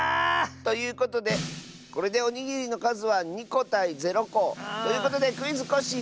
ということでこれでおにぎりのかずは２こたい０こ。ということで「クイズ！コッシー」